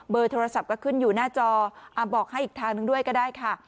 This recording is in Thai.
โดยโทรศัพท์ก็ขึ้นอยู่หน้าจอบอกให้อีกทางหนึ่งด้วยก็ได้ค่ะ